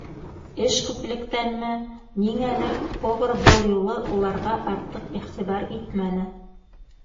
Эш күплектәнме, ниңәлер, повар был юлы уларға артыҡ иғтибар итмәне.